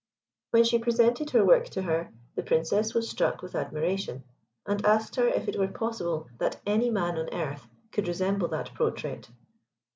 When she presented her work to her, the Princess was struck with admiration, and asked her if it were possible that any man on earth could resemble that portrait.